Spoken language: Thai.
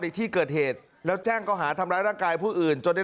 ในที่เกิดเหตุแล้วแจ้งเขาหาทำร้ายร่างกายผู้อื่นจนได้